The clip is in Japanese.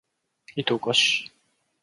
いとをかし